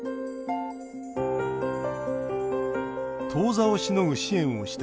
当座をしのぐ支援をした